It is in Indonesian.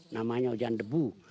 namanya hujan debu